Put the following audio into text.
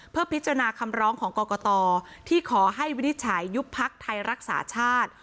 เพื่อพิจารณาคำร้องของกรกตที่ขอให้วินิจฉัยยุบพักไทยรักษาชาติ